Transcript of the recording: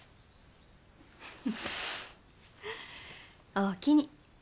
おおきに。